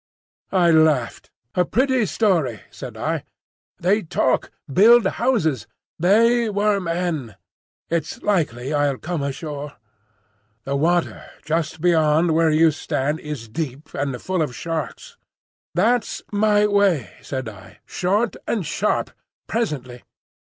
I laughed. "A pretty story," said I. "They talk, build houses. They were men. It's likely I'll come ashore." "The water just beyond where you stand is deep—and full of sharks." "That's my way," said I. "Short and sharp. Presently."